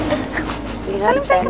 kenapa benek sih